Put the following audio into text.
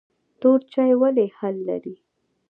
تور چای ولې هل لري؟